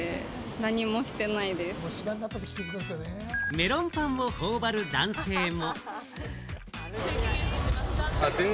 メロンパンをほおばる男性も。